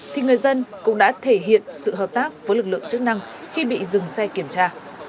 thì người dân cũng đã thể hiện sự hợp tác với lực lượng chức năng khi bị dừng xe kiểm tra